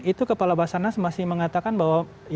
itu kepala basarnas masih mengatakan bahwa